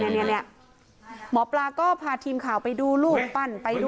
คุณปุ้ยอายุ๓๒นางความร้องไห้พูดคนเดี๋ยว